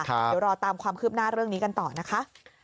เดี๋ยวรอตามความคืบหน้าเรื่องนี้กันต่อนะคะ